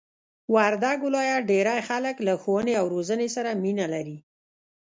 وردګ ولایت ډېرئ خلک له ښوونې او روزنې سره مینه لري!